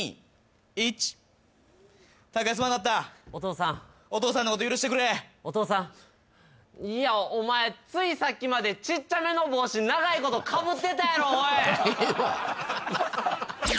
拓哉すまなかったお父さんお父さんのこと許してくれお父さんいやお前ついさっきまでちっちゃめの帽子長いことかぶってたやろおい